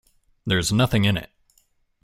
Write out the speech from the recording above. There's nothing in it.